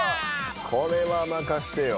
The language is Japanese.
これは任してよ